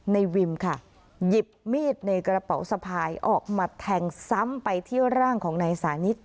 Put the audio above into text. วิมค่ะหยิบมีดในกระเป๋าสะพายออกมาแทงซ้ำไปที่ร่างของนายสานิท